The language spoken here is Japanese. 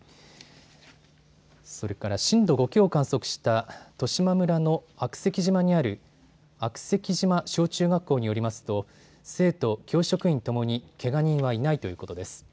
それから震度５強を観測した十島村の悪石島にある悪石島小中学校によりますと生徒、教職員ともにけが人はいないということです。